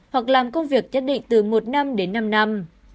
hoặc làm công việc nhất định từ một năm đến năm năm